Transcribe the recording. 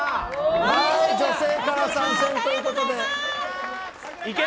女性から参戦ということで。